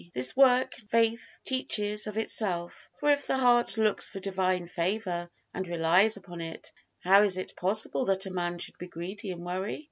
This work faith teaches of itself. For if the heart looks for divine favor and relies upon it, how is it possible that a man should be greedy and worry?